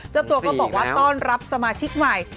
เจ้าตัวก็บอกว่าต้อนรับสมาชิกใหม่